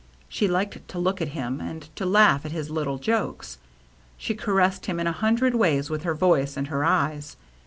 She liked to look at him and to laugh at his little jokes. She caressed him in a hundred ways with her voice and her eyes.